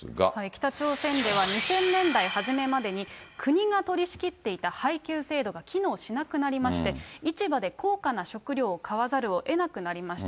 北朝鮮では２０００年代初めまでに、国が取りしきっていた配給制度が機能しなくなりまして、市場で高価な食料を買わざるをえなくなりました。